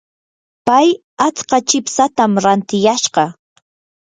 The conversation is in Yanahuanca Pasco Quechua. pay atska chipsatam rantiyashqa.